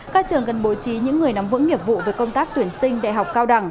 các trường cần bố trí những người nắm vững nghiệp vụ về công tác tuyển sinh đại học cao đẳng